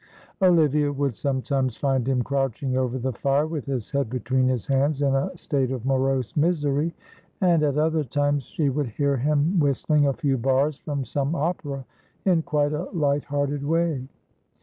Olivia would sometimes find him crouching over the fire with his head between his hands in a state of morose misery. And at other times she would hear him whistling a few bars from some opera in quite a light hearted way.